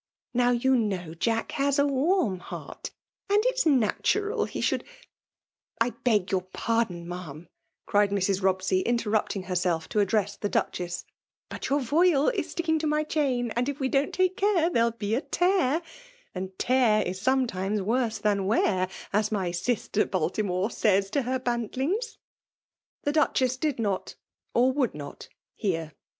Now you know Jack has a warm heart, and it's natural he should 1 beg your par don, ma*am/* cried Mrs. Bobsey, interrupting herself to address the Duchess, ''but your voyl is stkkiqg to my chain^ and if yf^ don't take care, there 11 be a tear, — and tear ifl sometimes worse than wear,— as Qiy sister Baltimore says to her bantlings J' ,...' The Duchess did not^. or wQuld not, .^c«ir.